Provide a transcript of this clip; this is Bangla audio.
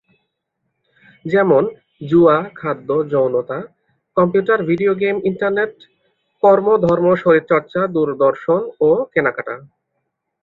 যেমন- জুয়া, খাদ্য, যৌনতা, কম্পিউটার, ভিডিও গেইম, ইন্টারনেট, কর্ম, ধর্ম, শারীরিক চর্চা, দূরদর্শন ও কেনাকাটা।